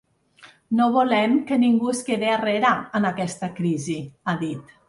“No volem que ningú es quede arrere en aquesta crisi”, ha dit.